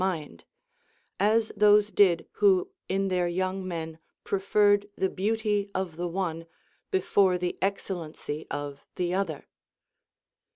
87 mind, as those did who in their yonng men preferred the beauty of the one before the excellency of the other.